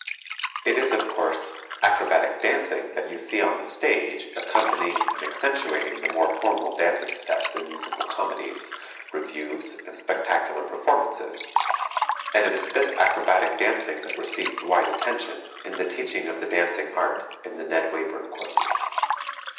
It is, of course, acrobatic dancing that you see on the stage accompanying and accentuating the more formal dancing steps in musical comedies, revues, and spectacular performances, and it is this acrobatic dancing that receives wide attention in the teaching of the dancing art in the Ned Wayburn courses.